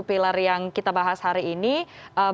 bagaimana kemudian nanti akan dikonsumsi dengan pilihan yang lain